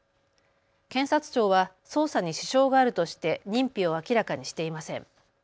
検察庁は捜査に支障があるとして認否を明らかにしていません。